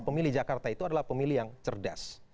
pemilih jakarta itu adalah pemilih yang cerdas